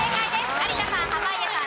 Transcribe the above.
有田さん濱家さん